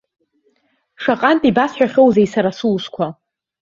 Шаҟантә ибасҳәахьоузеи, сара сусқәа!